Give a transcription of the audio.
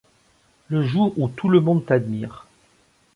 le jour où tout le monde t'admire.